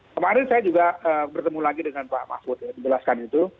kemarin saya juga bertemu lagi dengan pak mahfud ya menjelaskan itu